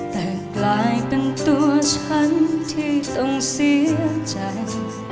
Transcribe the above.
แต่กลายเป็นตัวฉันที่ต้องเสียใจ